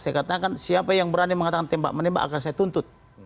saya katakan siapa yang berani mengatakan tembak menembak akan saya tuntut